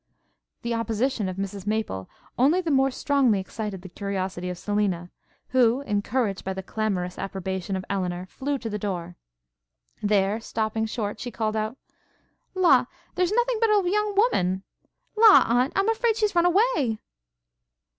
The opposition of Mrs Maple only the more strongly excited the curiosity of Selina, who, encouraged by the clamorous approbation of Elinor, flew to the door. There, stopping short, she called out, 'La! here's nothing but a young woman! La! Aunt, I'm afraid she's run away!'